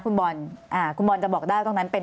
ก็คลิปออกมาแบบนี้เลยว่ามีอาวุธปืนแน่นอน